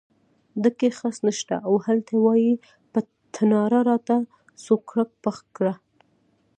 ډکی خس نشته او هلته وایې په تناره راته سوکړک پخ کړه.